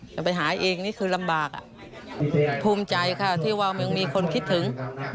จะไปหาเองนี่คือลำบากภูมิใจค่ะที่ว่าไม่มีคนคิดถึง